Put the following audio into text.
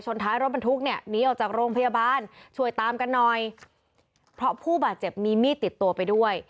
ท้ายรถบรรทุกเนี่ยหนีออกจากโรงพยาบาลช่วยตามกันหน่อยเพราะผู้บาดเจ็บมีมีดติดตัวไปด้วย